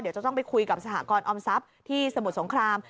เดี๋ยวจะต้องไปคุยกับสหกรออมทรัพย์ที่สมุทรสงคราม